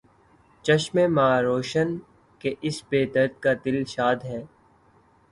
چشمِ ما روشن، کہ اس بے درد کا دل شاد ہے